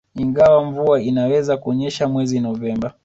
Ingawa mvua inaweza kunyesha mwezi Novemba